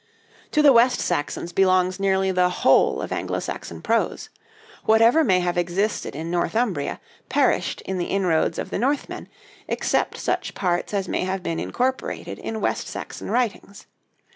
To the West Saxons belongs nearly the whole of Anglo Saxon prose. Whatever may have existed in Northumbria perished in the inroads of the Northmen, except such parts as may have been incorporated in West Saxon writings.